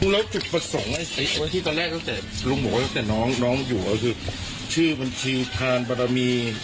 ลุงพลบอกว่าตอนแรกตั้งแต่น้องอยู่แล้วคือชื่อบัญชีทานบรรมี